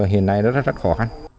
hiện nay rất khó